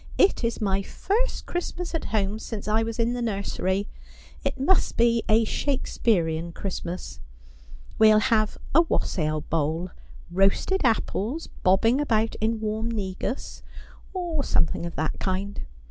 ' It is my first Christmas at home, since I was in the nursery. It must be a Shakespearian Christmas. We'll have a wassail bowl : roasted apples bobbing about in warm negus, or something of that kind.